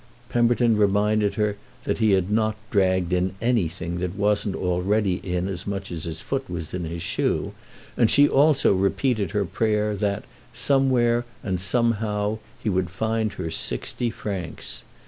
Pemberton reminded her that he had not "dragged in" anything that wasn't already in as much as his foot was in his shoe; and she also repeated her prayer that, somewhere and somehow, he would find her sixty francs.